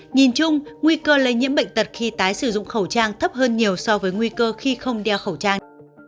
nhìn chung nguy cơ lây nhiễm bệnh tật khi tái sử dụng khẩu trang thấp hơn nhiều so với nguy cơ khi không đeo khẩu trang